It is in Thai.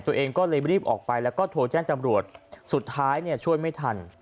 ตัวเองก็เลยรีบออกไปแล้วก็โทรแจ้งตำรวจสุดท้ายเนี่ยช่วยไม่ทัน